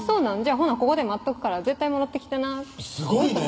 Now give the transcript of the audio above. ほなここで待っとくから絶対戻ってきてな」